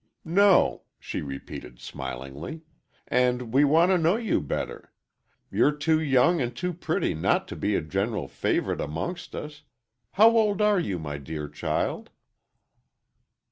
"No," she repeated, smilingly. "And we want to know you better. You're too young and too pretty not to be a general favorite amongst us. How old are you, my dear child?"